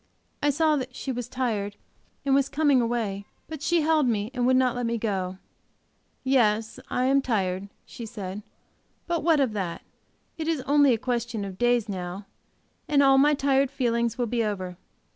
I saw that she was tired and was coming away, but she held me and would not let me go. "Yes, I am tired," she said, "but what of that? It is only a question of days now, and all my tired feelings will be over.